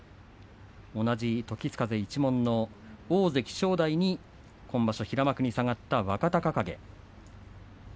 同じ時津風一門の大関正代に今場所平幕に下がった若隆景。